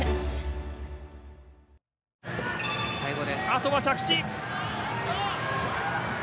あとは着地。